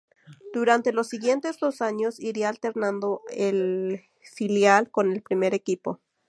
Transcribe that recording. Durante los siguientes dos años iría alternando el filial con el primer equipo.